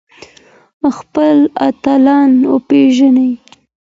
خپل اتلان وپېژنئ.